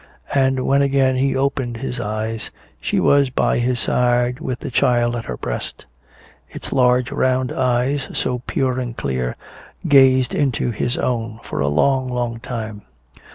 And when again he opened his eyes she was by his side with the child at her breast. Its large round eyes, so pure and clear, gazed into his own for a long, long time.